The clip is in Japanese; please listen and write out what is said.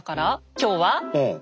今日は？